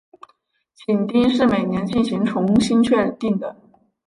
紧盯是每年进行重新确定的。